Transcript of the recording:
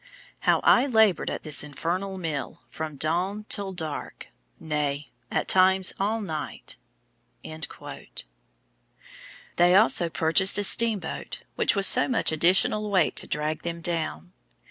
"How I laboured at this infernal mill, from dawn till dark, nay, at times all night." They also purchased a steamboat which was so much additional weight to drag them down.